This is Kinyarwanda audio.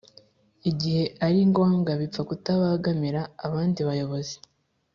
Igihe ari ngombwa bipfa kutabagamira abandi bayobozi